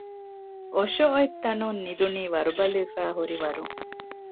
އޮށޮއޮތްތަނުން ނިދުނީ ވަރުބަލިވެފައިހުރިވަރުން